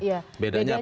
bedanya apa dengan debat